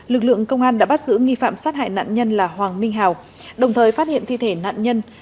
lực lượng công an đã bắt giữ nghi phạm sát hại nạn nhân là hoàng minh hào đồng thời phát hiện thi thể nạn nhân